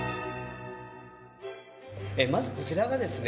まずこちらがですね